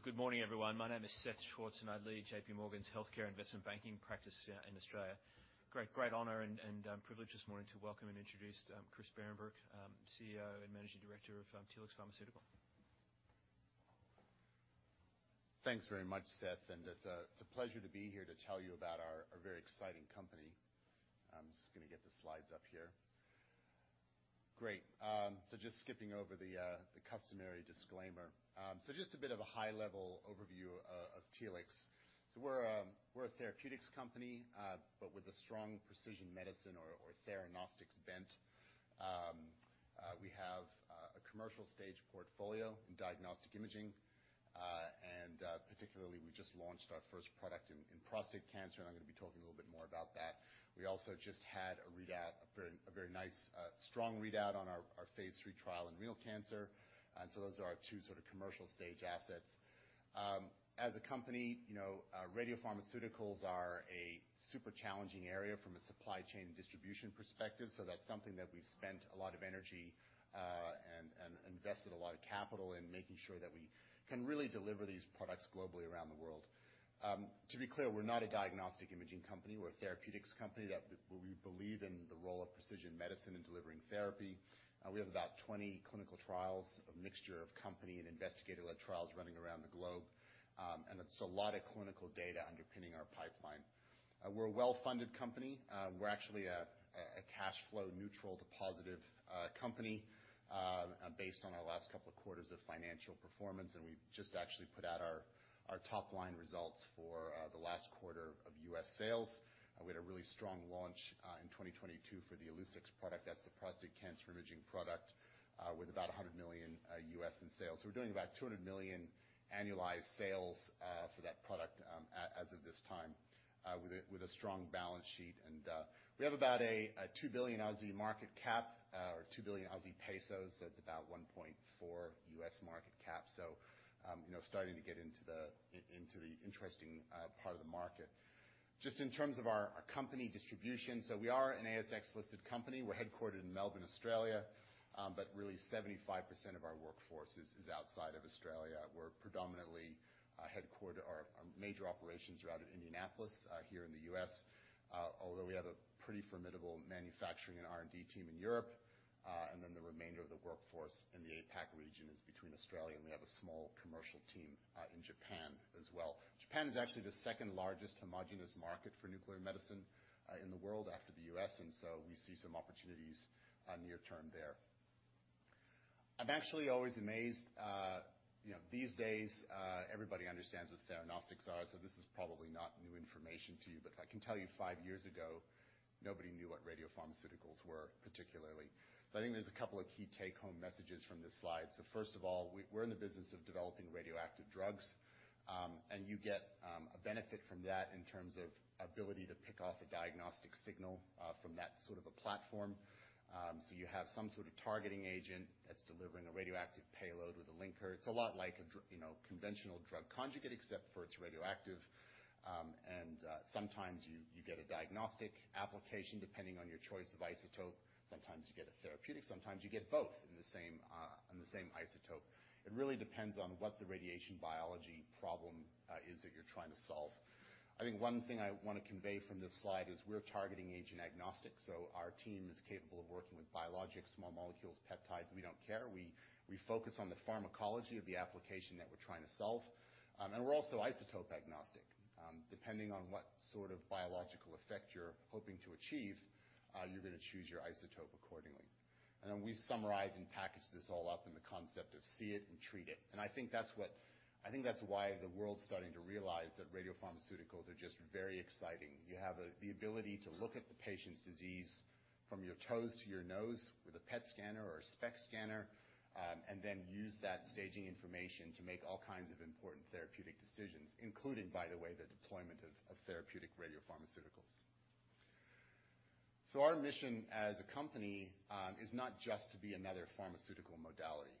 Good morning, everyone. My name is Seth Schwartz, I lead JPMorgan's Healthcare Investment Banking practice here in Australia. Great honor and privilege this morning to welcome and introduce Christian Behrenbruch, CEO and Managing Director of Telix Pharmaceuticals. Thanks very much, Seth, and it's a pleasure to be here to tell you about our very exciting company. I'm just gonna get the slides up here. Great. Just skipping over the customary disclaimer. Just a bit of a high-level overview of Telix. We're a therapeutics company, but with a strong precision medicine or theranostics bent. We have a commercial-stage portfolio in diagnostic imaging, and particularly, we just launched our first product in prostate cancer, and I'm gonna be talking a little bit more about that. We also just had a readout, a very nice, strong readout on our Phase III trial in renal cancer. Those are our two sort of commercial stage assets. As a company, you know, radiopharmaceuticals are a super challenging area from a supply chain and distribution perspective, so that's something that we've spent a lot of energy and invested a lot of capital in making sure that we can really deliver these products globally around the world. To be clear, we're not a diagnostic imaging company. We're a therapeutics company that we believe in the role of precision medicine in delivering therapy. We have about 20 clinical trials, a mixture of company and investigator-led trials running around the globe. It's a lot of clinical data underpinning our pipeline. We're a well-funded company. We're actually a cash flow neutral to positive company based on our last couple of quarters of financial performance. We've just actually put out our top-line results for the last quarter of U.S. sales. We had a really strong launch in 2022 for the Illuccix product. That's the prostate cancer imaging product, with about $100 million U.S. in sales. We're doing about $200 million annualized sales for that product as of this time, with a strong balance sheet. We have about a 2 billion Aussie dollars market cap, or a 2 billion dollars. That's about $1.4 billion U.S. market cap. You know, starting to get into the interesting part of the market. In terms of our company distribution, we are an ASX-listed company. We're headquartered in Melbourne, Australia, but really 75% of our workforce is outside of Australia. We're predominantly, Our major operations are out of Indianapolis, here in the U.S. Although we have a pretty formidable manufacturing and R&D team in Europe, and then the remainder of the workforce in the APAC region is between Australia, and we have a small commercial team in Japan as well. Japan is actually the second largest homogenous market for nuclear medicine in the world after the U.S., and so we see some opportunities near term there. I'm actually always amazed, you know, these days, everybody understands what theranostics are, so this is probably not new information to you. I can tell you five years ago, nobody knew what radiopharmaceuticals were, particularly. I think there's a couple of key take-home messages from this slide. First of all, we're in the business of developing radioactive drugs, and you get a benefit from that in terms of ability to pick off a diagnostic signal from that sort of a platform. You have some sort of targeting agent that's delivering a radioactive payload with a linker. It's a lot like you know, conventional drug conjugate, except for it's radioactive. And sometimes you get a diagnostic application, depending on your choice of isotope. Sometimes you get a therapeutic, sometimes you get both in the same, in the same isotope. It really depends on what the radiation biology problem is that you're trying to solve. I think one thing I wanna convey from this slide is we're targeting agent agnostic. Our team is capable of working with biologics, small molecules, peptides, we don't care. We focus on the pharmacology of the application that we're trying to solve. We're also isotope-agnostic. Depending on what sort of biological effect you're hoping to achieve, you're gonna choose your isotope accordingly. Then we summarize and package this all up in the concept of "see it and treat it". I think that's what. I think that's why the world's starting to realize that radiopharmaceuticals are just very exciting. You have the ability to look at the patient's disease from their toes to their nose with a PET scanner or a SPECT scanner, and then use that staging information to make all kinds of important therapeutic decisions, including, by the way, the deployment of therapeutic radiopharmaceuticals. Our mission as a company is not just to be another pharmaceutical modality.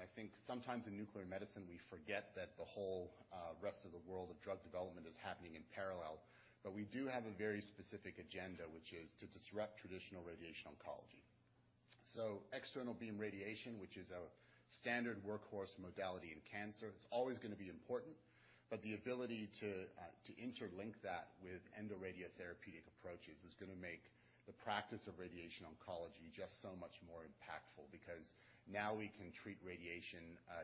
I think sometimes in nuclear medicine, we forget that the whole rest of the world of drug development is happening in parallel. We do have a very specific agenda, which is to disrupt traditional radiation oncology. External beam radiation, which is a standard workhorse modality in cancer, is always going to be important. The ability to interlink that with endoradiotherapeutic approaches is going to make the practice of radiation oncology just so much more impactful because now we can treat radiation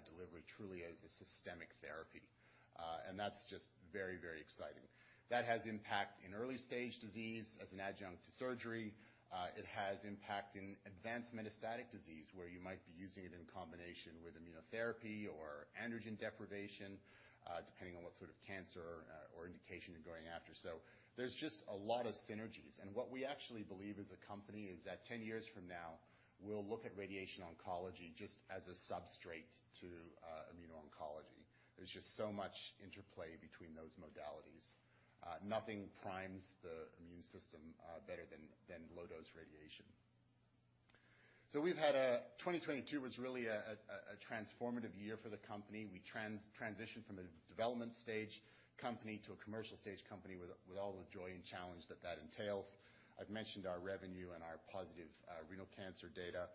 delivery truly as a systemic therapy. That's just very, very exciting. That has impact in early stage disease as an adjunct to surgery. It has impact in advanced metastatic disease, where you might be using it in combination with immunotherapy or androgen deprivation, depending on what sort of cancer or indication you're going after. There's just a lot of synergies. What we actually believe as a company is that 10 years from now, we'll look at radiation oncology just as a substrate to immuno-oncology. There's just so much interplay between those modalities. Nothing primes the immune system better than low dose radiation. 2022 was really a transformative year for the company. We transitioned from a development stage company to a commercial stage company with all the joy and challenge that entails. I've mentioned our revenue and our positive renal cancer data.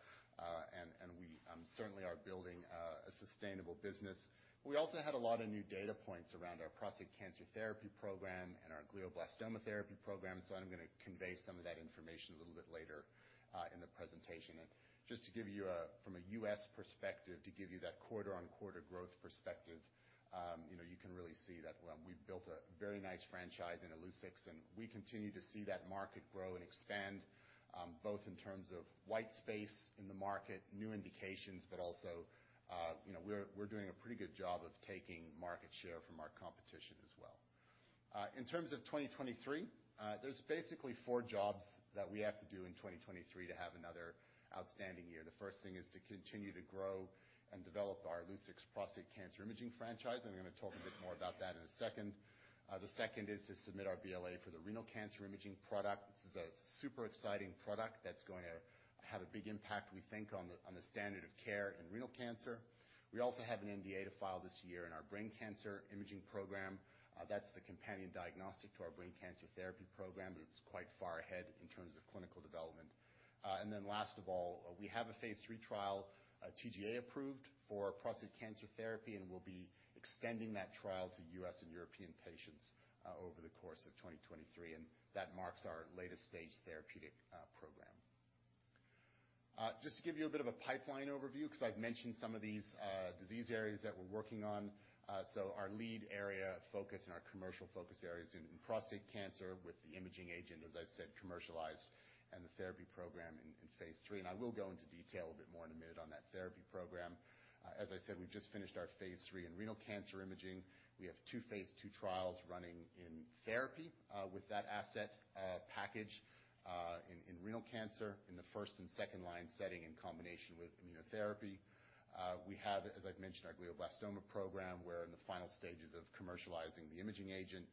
Certainly are building a sustainable business. We also had a lot of new data points around our prostate cancer therapy program and our glioblastoma therapy program, so I'm gonna convey some of that information a little bit later in the presentation. Just to give you from a U.S. perspective, to give you that quarter-on-quarter growth perspective, you know, you can really see that we've built a very nice franchise in Illuccix, and we continue to see that market grow and expand, both in terms of white space in the market, new indications, but also, you know, we're doing a pretty good job of taking market share from our competition as well. In terms of 2023, there's basically four jobs that we have to do in 2023 to have another outstanding year. The first thing is to continue to grow and develop our Illuccix prostate cancer imaging franchise. I'm gonna talk a bit more about that in a second. The second is to submit our BLA for the renal cancer imaging product. This is a super exciting product that's going to have a big impact, we think, on the standard of care in renal cancer. We also have an NDA to file this year in our brain cancer imaging program. That's the companion diagnostic to our brain cancer therapy program, it's quite far ahead in terms of clinical development. Last of all, we have a Phase III trial, TGA approved for prostate cancer therapy. We'll be extending that trial to U.S. and European patients over the course of 2023. That marks our latest-stage therapeutic program. Just to give you a bit of a pipeline overview, 'cause I've mentioned some of these disease areas that we're working on. Our lead area of focus and our commercial focus areas in prostate cancer with the imaging agent, as I said, commercialized, and the therapy program in Phase III. I will go into detail a bit more in a minute on that therapy program. As I said, we've just finished our Phase III in renal cancer imaging. We have two Phase II trials running in therapy with that asset package in renal cancer in the first and second line setting in combination with immunotherapy. We have, as I've mentioned, our glioblastoma program. We're in the final stages of commercializing the imaging agent.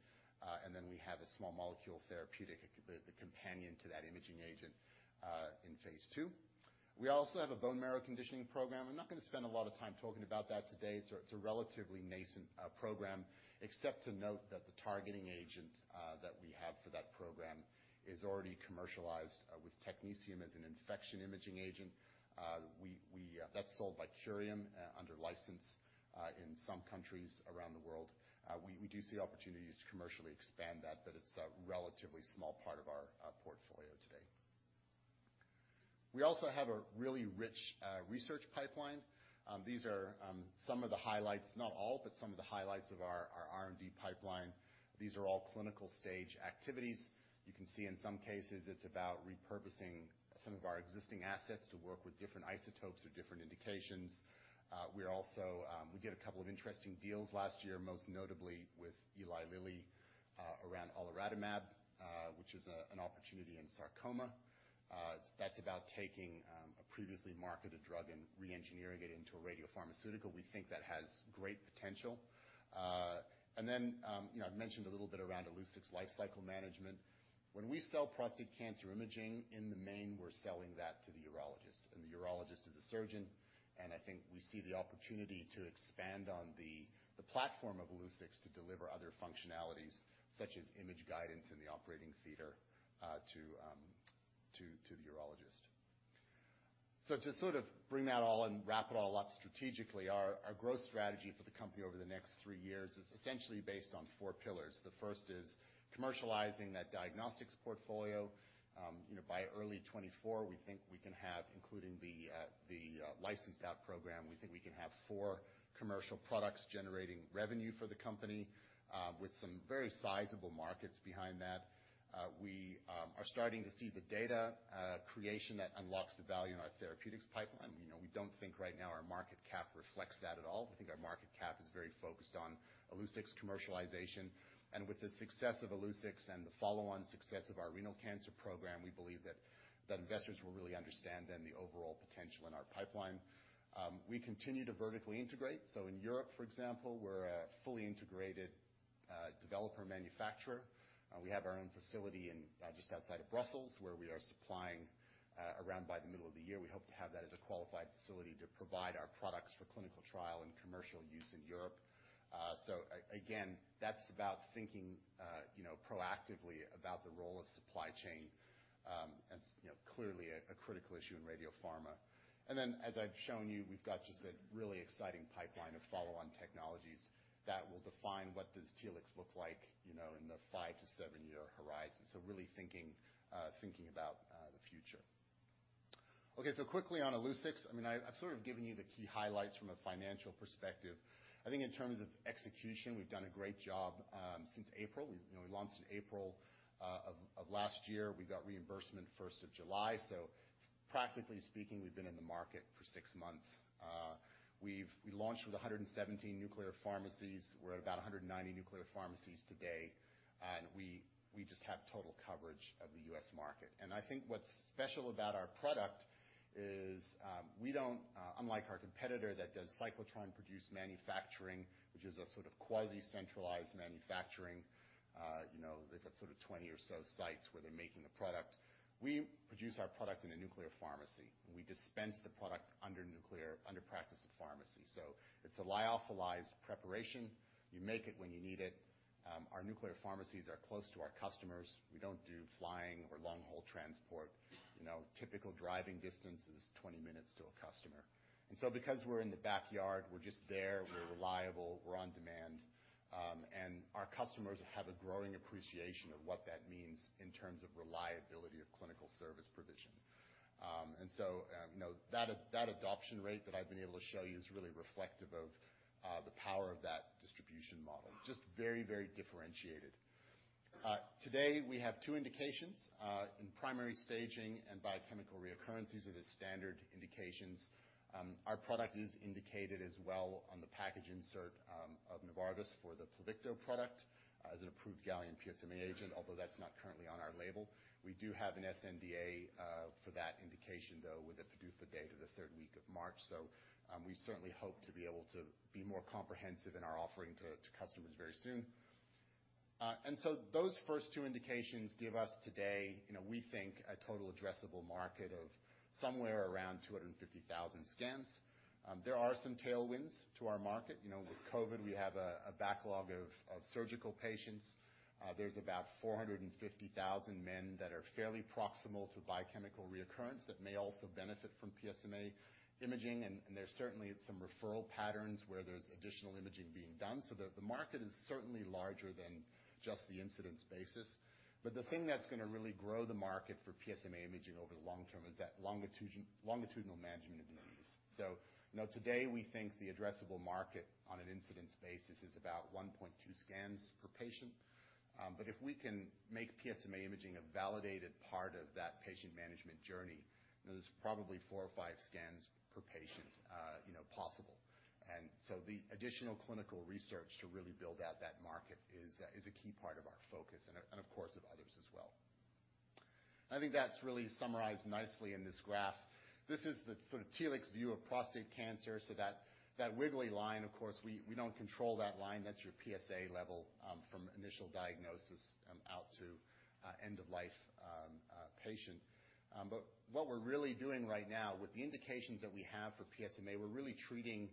Then we have a small molecule therapeutic, the companion to that imaging agent in Phase II. We also have a bone marrow conditioning program. I'm not gonna spend a lot of time talking about that today. It's a relatively nascent program, except to note that the targeting agent that we have for that program is already commercialized with technetium as an infection imaging agent. We that's sold by Curium under license in some countries around the world. We do see opportunities to commercially expand that, but it's a relatively small part of our portfolio today. We also have a really rich research pipeline. These are some of the highlights, not all, but some of the highlights of our R&D pipeline. These are all clinical-stage activities. You can see in some cases it's about repurposing some of our existing assets to work with different isotopes or different indications. We're also, we did a couple of interesting deals last year, most notably with Eli Lilly, around avelumab, which is an opportunity in sarcoma. That's about taking a previously marketed drug and re-engineering it into a radiopharmaceutical. We think that has great potential. Then, you know, I've mentioned a little bit around Illuccix's lifecycle management. When we sell prostate cancer imaging, in the main, we're selling that to the urologist, and the urologist is a surgeon. I think we see the opportunity to expand on the platform of Illuccix to deliver other functionalities, such as image guidance in the operating theater, to the urologist. To sort of bring that all and wrap it all up strategically, our growth strategy for the company over the next three years is essentially based on four pillars. The first is commercializing that diagnostics portfolio. You know, by early 2024, we think we can have, including the licensed out program, we think we can have four commercial products generating revenue for the company, with some very sizable markets behind that. We are starting to see the data creation that unlocks the value in our therapeutics pipeline. You know, we don't think right now our market cap reflects that at all. We think our market cap is very focused on Illuccix's commercialization. With the success of Illuccix and the follow-on success of our renal cancer program, we believe that investors will really understand then the overall potential in our pipeline. We continue to vertically integrate. In Europe, for example, we're a fully integrated developer manufacturer. We have our own facility in just outside of Brussels, where we are supplying around by the middle of the year. We hope to have that as a qualified facility to provide our products for clinical trial and commercial use in Europe. Again, that's about thinking, you know, proactively about the role of supply chain, and, you know, clearly a critical issue in radiopharma. As I've shown you, we've got just a really exciting pipeline of follow-on technologies that will define what does Telix look like, you know, in the five to seven-year horizon. Really thinking about the future. Quickly on Illuccix. I mean, I've sort of given you the key highlights from a financial perspective. I think in terms of execution, we've done a great job since April. You know, we launched in April of last year. We got reimbursement first of July. Practically speaking, we've been in the market for six months. We launched with 117 nuclear pharmacies. We're at about 190 nuclear pharmacies today, and we just have total coverage of the U.S. market. I think what's special about our product is, we don't, unlike our competitor that does cyclotron produce manufacturing, which is a sort of quasi-centralized manufacturing, you know, they've got sort of 20 or so sites where they're making the product. We produce our product in a nuclear pharmacy. We dispense the product under nuclear pharmacy. So it's a lyophilized preparation. You make it when you need it. Our nuclear pharmacies are close to our customers. We don't do flying or long-haul transport. You know, typical driving distance is 20 minutes to a customer. Because we're in the backyard, we're just there, we're reliable, we're on demand, and our customers have a growing appreciation of what that means in terms of reliability of clinical service provision. You know, that adoption rate that I've been able to show you is really reflective of the power of that distribution model. Just very, very differentiated. Today we have two indications in primary staging and biochemical recurrence are the standard indications. Our product is indicated as well on the package insert of Novartis’s Pluvicto product as an approved gallium-68 PSMA agent, although that's not currently on our label. We do have an sNDA for that indication though, with a PDUFA date of the third week of March. We certainly hope to be able to be more comprehensive in our offering to customers very soon. Those first two indications give us today, you know, we think a total addressable market of somewhere around 250,000 scans. There are some tailwinds to our market. You know, with COVID-19, we have a backlog of surgical patients. There's about 450,000 men that are fairly proximal to biochemical recurrence that may also benefit from PSMA imaging and there's certainly some referral patterns where there's additional imaging being done. The market is certainly larger than just the incidence basis. The thing that's gonna really grow the market for PSMA imaging over the long term is that longitudinal management of disease. You know, today we think the addressable market on an incidence basis is about 1.2 scans per patient. If we can make PSMA imaging a validated part of that patient management journey, there's probably four or five scans per patient possible. The additional clinical research to really build out that market is a key part of our focus and of course of others as well. I think that's really summarized nicely in this graph. This is the sort of Telix view of prostate cancer. That wiggly line, of course, we don't control that line. That's your PSA level from initial diagnosis out to end of life patient. But what we're really doing right now with the indications that we have for PSMA, we're really treating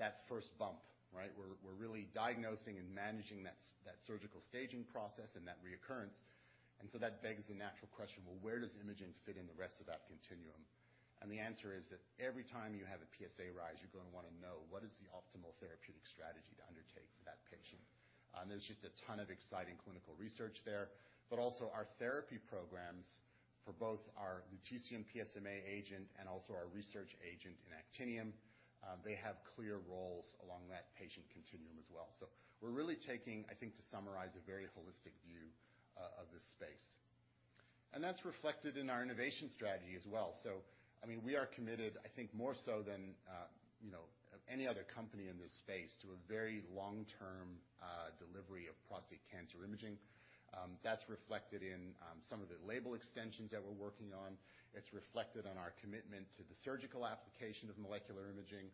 that first bump, right? We're really diagnosing and managing that surgical staging process and that recurrence. That begs the natural question, well, where does imaging fit in the rest of that continuum? The answer is that every time you have a PSA rise, you're gonna wanna know what is the optimal therapeutic strategy to undertake for that patient. There's just a ton of exciting clinical research there. Also our therapy programs for both our lutetium PSMA agent and also our research agent in actinium, they have clear roles along that patient continuum as well. We're really taking, I think to summarize, a very holistic view of this space. That's reflected in our innovation strategy as well. I mean, we are committed, I think more so than, any other company in this space to a very long-term delivery of prostate cancer imaging. That's reflected in some of the label extensions that we're working on. It's reflected on our commitment to the surgical application of molecular imaging.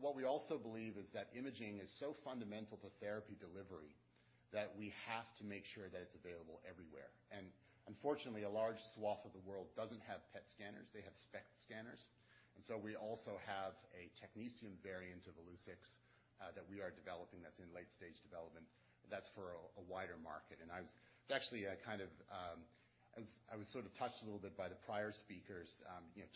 What we also believe is that imaging is so fundamental to therapy delivery that we have to make sure that it's available everywhere. Unfortunately, a large swath of the world doesn't have PET scanners, they have SPECT scanners. So we also have a technetium variant of Illuccix that we are developing that's in late-stage development. That's for a wider market. It's actually a kind of... I was sort of touched a little bit by the prior speakers,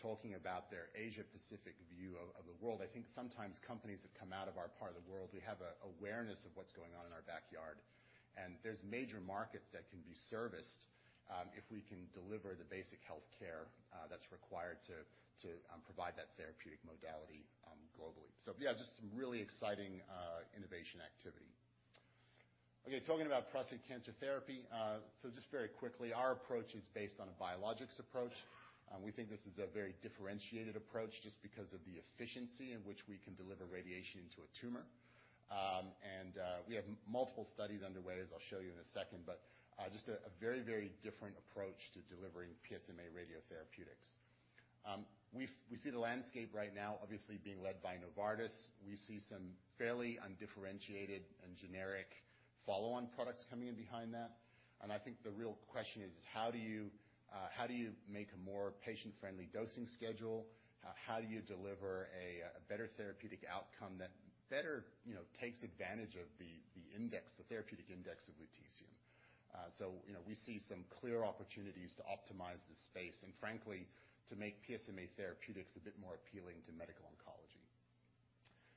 talking about their Asia-Pacific view of the world. I think sometimes companies that come out of our part of the world, we have a awareness of what's going on in our backyard. There's major markets that can be serviced if we can deliver the basic healthcare that's required to provide that therapeutic modality globally. Yeah, just some really exciting innovation activity. Okay, talking about prostate cancer therapy. Just very quickly, our approach is based on a biologics approach. We think this is a very differentiated approach just because of the efficiency in which we can deliver radiation to a tumor. We have multiple studies underway, as I'll show you in a second. Just a very different approach to delivering PSMA radiotherapeutics. We see the landscape right now obviously being led by Novartis. We see some fairly undifferentiated and generic follow-on products coming in behind that. I think the real question is how do you make a more patient-friendly dosing schedule? How do you deliver a better therapeutic outcome that better, takes advantage of the therapeutic index of lutetium? We see some clear opportunities to optimize this space, and frankly, to make PSMA therapeutics a bit more appealing to medical oncology.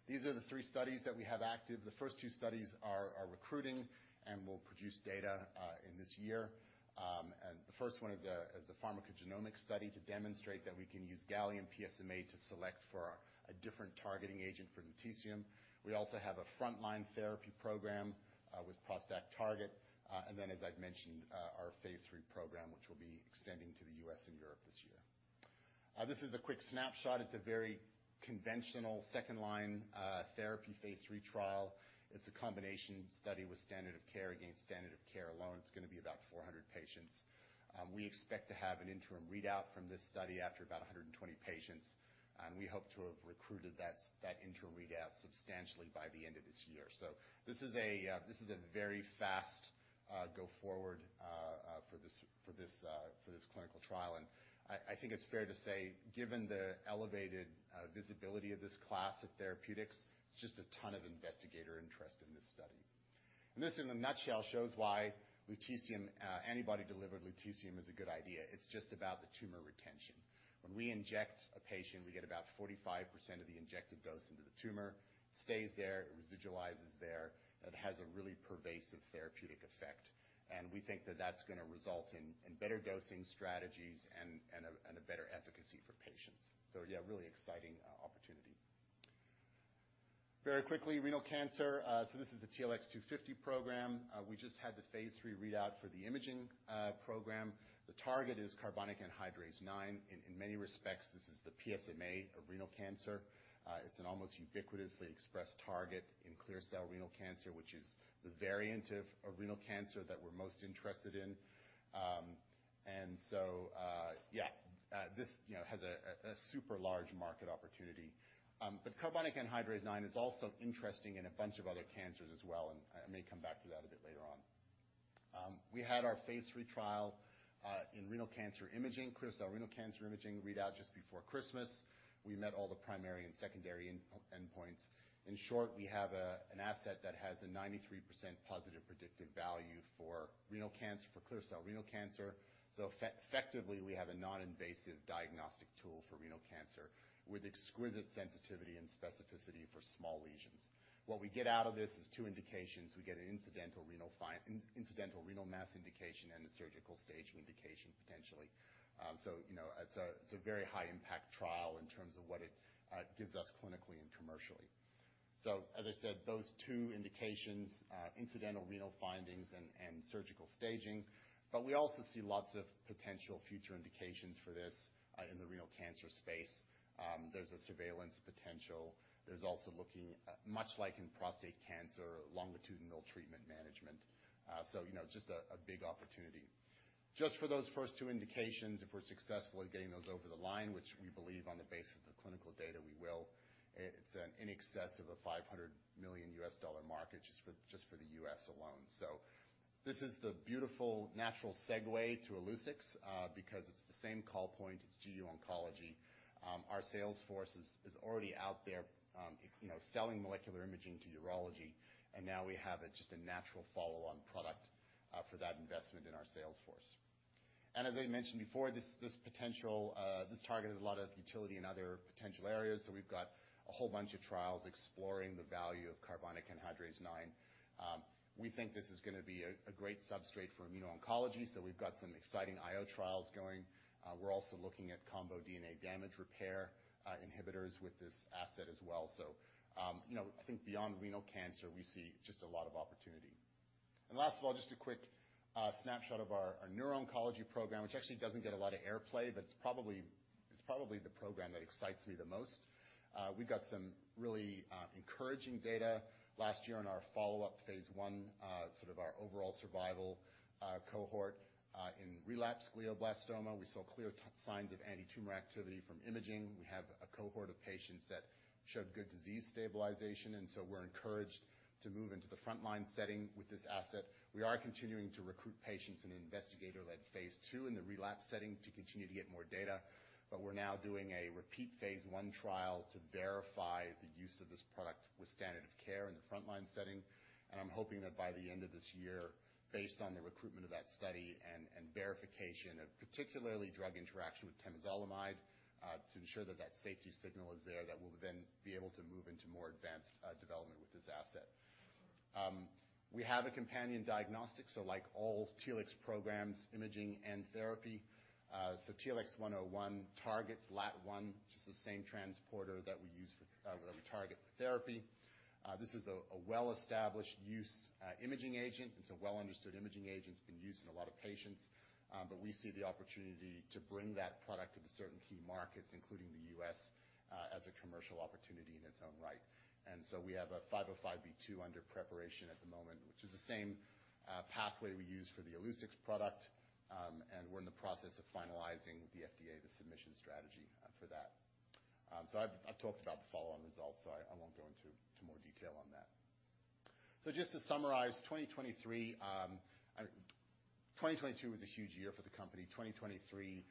These are the three studies that we have active. The first two studies are recruiting and will produce data in this year. The first one is a pharmacogenomic study to demonstrate that we can use gallium-68 PSMA to select for a different targeting agent for lutetium. We also have a frontline-therapy program with ProstACT TARGET. As I've mentioned, our phase three program, which will be extending to the U.S. and Europe this year. This is a quick snapshot. It's a very conventional second line therapy phase trial. It's a combination study with standard of care against standard of care alone. It's gonna be about 400 patients. We expect to have an interim readout from this study after about 120 patients, and we hope to have recruited that substantially by the end of this year. This is a very fast go forward for this clinical trial. I think it's fair to say, given the elevated visibility of this class of therapeutics, it's just a ton of investigator interest in this study. This, in a nutshell, shows why lutetium, antibody-delivered lutetium is a good idea. It's just about the tumor retention. When we inject a patient, we get about 45% of the injected dose into the tumor. It stays there, it residualizes there. It has a really pervasive therapeutic effect. We think that that's gonna result in better dosing strategies and a better efficacy for patients. Yeah, really exciting opportunity. Very quickly, renal cancer. This is a TLX250 program. We just had the phase III readout for the imaging program. The target is carbonic anhydrase IX. In many respects, this is the PSMA of renal cancer. It's an almost ubiquitously expressed target in clear cell-renal cancer, which is the variant of renal cancer that we're most interested in. This, you know, has a super-large market opportunity. Carbonic anhydrase IX is also interesting in a bunch of other cancers as well, and I may come back to that a bit later on. We had our Phase III trial in renal cancer imaging, clear cell-renal cancer imaging readout just before Christmas. We met all the primary and secondary endpoints. In short, we have an asset that has a 93% positive predictive value for renal cancer, for clear cell renal cancer. Effectively, we have a noninvasive diagnostic tool for renal cancer with exquisite sensitivity and specificity for small lesions. What we get out of this is two indications. We get an incidental renal-mass indication and a surgical-staging indication, potentially. You know, it's a very high impact trial in terms of what it gives us clinically and commercially. As I said, those two indications, incidental renal findings and surgical staging, we also see lots of potential future indications for this in the renal cancer space. There's a surveillance potential. There's also looking, much like in prostate cancer, longitudinal treatment management. You know, just a big opportunity. Just for those first two indications, if we're successful at getting those over the line, which we believe on the basis of the clinical data we will, it's an in excess of a $500 million market just for the U.S. alone. This is the beautiful natural segue to Illuccix because it's the same call point, it's GU oncology. Our sales force is already out there, you know, selling molecular imaging to urology, and now we have a just a natural follow-on product for that investment in our sales force. As I mentioned before, this potential target has a lot of utility in other potential areas. We've got a whole bunch of trials exploring the value of carbonic anhydrase IX. We think this is gonna be a great substrate for immuno-oncology, so we've got some exciting IO trials going. We're also looking at combo DNA damage repair inhibitors with this asset as well. You know, I think beyond renal cancer, we see just a lot of opportunity. Last of all, just a quick snapshot of our neuro-oncology program, which actually doesn't get a lot of airplay, but it's probably the program that excites me the most. We got some really encouraging data last year on our follow-up Phase I, sort of our overall survival cohort in relapsed glioblastoma. We saw clear signs of anti-tumor activity from imaging. We have a cohort of patients that showed good disease stabilization. We're encouraged to move into the front line setting with this asset. We are continuing to recruit patients in an investigator-led Phase II in the relapse setting to continue to get more data. We're now doing a repeat Phase I trial to verify the use of this product with standard-of-care in the front line setting. I'm hoping that by the end of this year, based on the recruitment of that study and verification of particularly drug interaction with temozolomide, to ensure that that safety signal is there, that we'll then be able to move into more advanced development with this asset. We have a companion diagnostic, so like all TLX programs, imaging and therapy. So TLX101 targets LAT1, which is the same transporter that we use for that we target for therapy. This is a well-established use imaging agent. It's a well-understood imaging agent. It's been used in a lot of patients. But we see the opportunity to bring that product to the certain key markets, including the U.S. as a commercial opportunity in its own right. We have a 505(b)(2) under preparation at the moment, which is the same pathway we used for the Illuccix product. We're in the process of finalizing with the FDA the submission strategy for that. I've talked about the follow-on results, so I won't go into more detail on that. Just to summarize, 2023. 2022 was a huge year for the company. 2023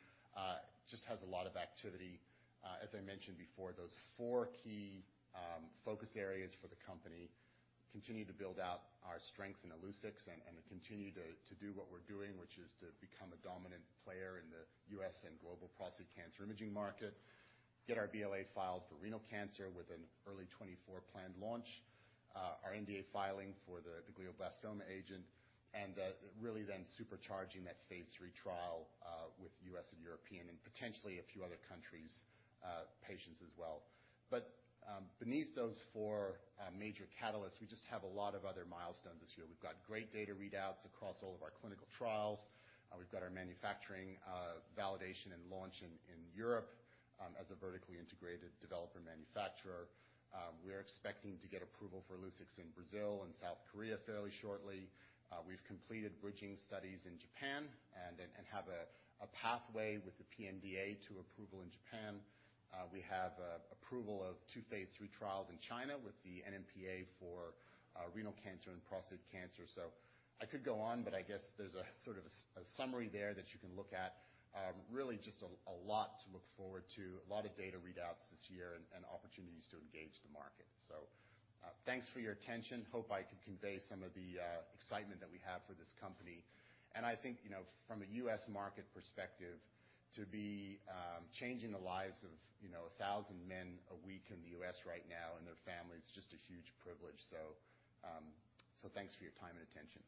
just has a lot of activity. As I mentioned before, those four key focus areas for the company continue to build out our strength in Illuccix and continue to do what we're doing, which is to become a dominant player in the U.S. and global prostate cancer imaging market. Get our BLA filed for renal cancer with an early-2024 planned launch. Our NDA filing for the glioblastoma agent, really then supercharging that Phase III trial with U.S. and European and potentially a few other countries' patients as well. Beneath those four major catalysts, we just have a lot of other milestones this year. We've got great data readouts across all of our clinical trials. We've got our manufacturing validation and launch in Europe as a vertically integrated developer manufacturer. We're expecting to get approval for Illuccix in Brazil and South Korea fairly shortly. We've completed bridging studies in Japan and have a pathway with the PMDA to approval in Japan. We have approval of two Phase III trials in China with the NMPA for renal cancer and prostate cancer. I could go on, but I guess there's a sort of a summary there that you can look at. Really just a lot to look forward to, a lot of data readouts this year and opportunities to engage the market. Thanks for your attention. Hope I could convey some of the excitement that we have for this company. I think, from U.S. market perspective, to be changing the lives of 1,000 men a week in the U.S. right now and their families, just a huge privilege. Thanks for your time and attention.